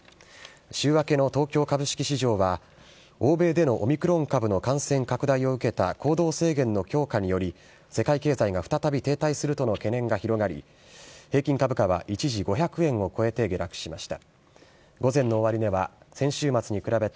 週明けの東京株式市場は、欧米でのオミクロン株の感染拡大を受けた行動制限の強化により、世界経済が再び停滞するとの懸念が広がり、平均株価は一時５００円を超えて下落しました。